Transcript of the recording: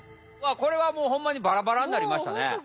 これはもうホンマにバラバラになりましたね。